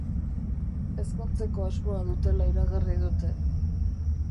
Ezkontzeko asmoa dutela iragarri dute.